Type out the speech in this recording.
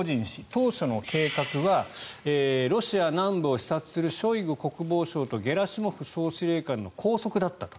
当初の計画はロシア南部を視察するショイグ国防相とゲラシモフ総司令官の拘束だったと。